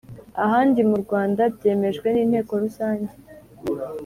ahandi mu Rwanda byemejwe n Inteko rusange